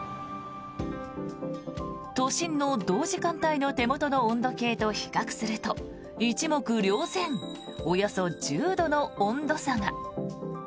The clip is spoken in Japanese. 都心の同時間帯の手元の温度計と比較すると一目瞭然およそ１０度の温度差が。